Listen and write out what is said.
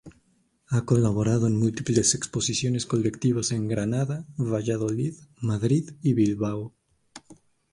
Ha colaborado en múltiples exposiciones colectivas en Granada, Valladolid, Madrid y Bilbao.